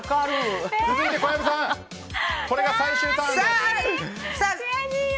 続いて、小籔さん最終ターンです。